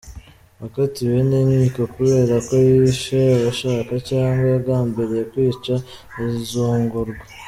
Wakatiwe n’inkiko kubera ko yishe abishaka cyangwa yagambiriye kwica uzungurwa;.